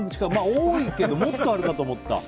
多いけど、もっとあるかと思った。